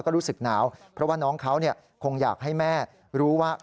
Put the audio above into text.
ก็รู้สึกหนาวเพราะว่าน้องเขาคงอยากให้แม่รู้ว่า